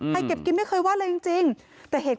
สวัสดีคุณผู้ชายสวัสดีคุณผู้ชาย